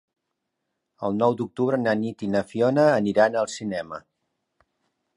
El nou d'octubre na Nit i na Fiona aniran al cinema.